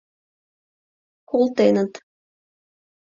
— Колтеныт...